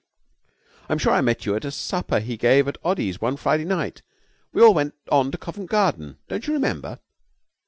'I'm sure I met you at a supper he gave at Oddy's one Friday night. We all went on to Covent Garden. Don't you remember?'